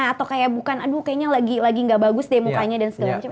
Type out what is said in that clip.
atau kayak bukan aduh kayaknya lagi gak bagus deh mukanya dan segala macam